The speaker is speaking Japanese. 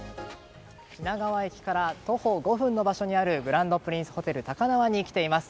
品川駅から徒歩５分のところにあるグランドプリンスホテル高輪に来ています。